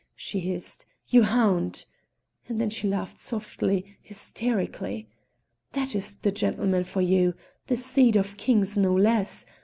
she hissed, "you hound!" and then she laughed softly, hysterically. "That is the gentleman for you! The seed of kings, no less!